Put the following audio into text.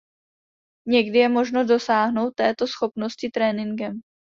Někdy je možno dosáhnout této schopnosti tréninkem.